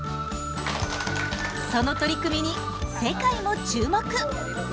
その取り組みに世界も注目。